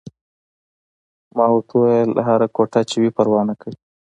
ما ورته وویل: هره کوټه چې وي، پروا نه کوي.